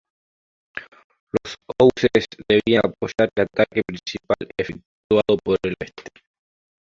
Los obuses debían apoyar el ataque principal efectuado por el oeste.